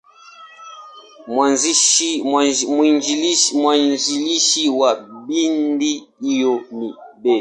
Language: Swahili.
Mwanzilishi wa bendi hiyo ni Bw.